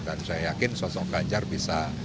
saya yakin sosok ganjar bisa